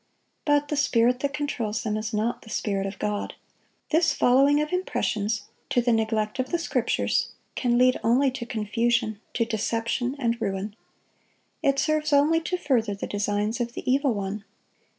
But the spirit that controls them is not the Spirit of God. This following of impressions, to the neglect of the Scriptures, can lead only to confusion, to deception and ruin. It serves only to further the designs of the evil one.